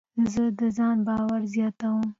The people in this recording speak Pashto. زه د ځان باور زیاتوم.